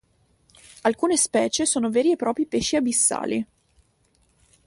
Alcune specie sono veri e propri pesci abissali.